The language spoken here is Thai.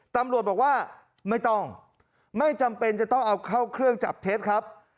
ตำรวจบอกว่าไม่ต้องไม่จำเป็นจะต้องเอาเข้าเครื่องจับเท็จครับ